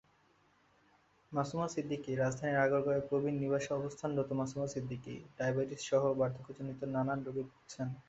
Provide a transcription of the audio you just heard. মাসুমা সিদ্দিকীরাজধানীর আগারগাঁওয়ে প্রবীণ নিবাসে অবস্থানরত মাসুমা সিদ্দিকী ডায়াবেটিকসহ বার্ধক্যজনিত নানা রোগে ভুগছেন।